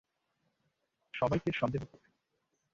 সবাইকে সন্দেহ করবে।